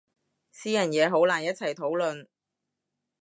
私人嘢好難一齊討論